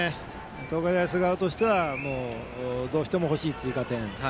東海大菅生としてはどうしても欲しい追加点。